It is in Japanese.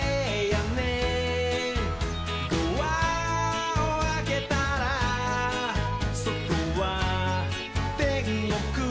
「ドアをあけたらそとはてんごく」